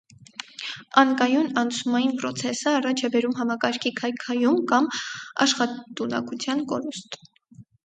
Անկայուն անցումային պրոցեսը առաջ է բերում համակարգի քայքայում կամ աշխատունակության կորուստ։